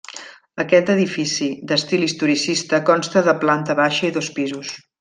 Aquest edifici d'estil historicista consta de planta baixa i dos pisos.